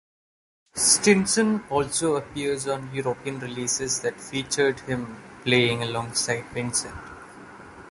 Stinson also appears on European releases that featured him playing alongside Vincent.